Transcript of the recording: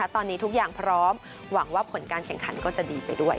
ตอนนี้ทุกอย่างพร้อมหวังว่าผลการแข่งขันก็จะดีไปด้วย